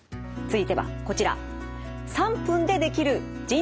続いてはこちら。